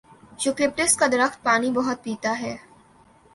Eucalyptus کا درخت پانی بہت پیتا ہے۔